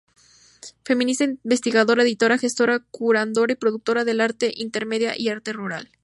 Feminista investigadora, editora, gestora, curadora y productora de arte intermedia y arte ritual.